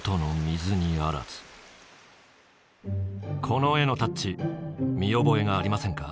この絵のタッチ見覚えがありませんか？